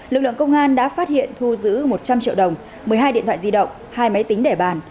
lực lượng công an đã phát hiện thu giữ một trăm linh triệu đồng một mươi hai điện thoại di động hai máy tính để bàn